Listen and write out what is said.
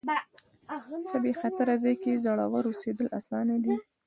په بې خطره ځای کې زړور اوسېدل اسانه دي.